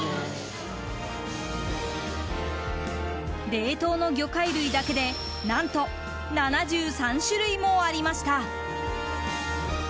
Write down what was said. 冷凍の魚介類だけで何と７３種類もありました。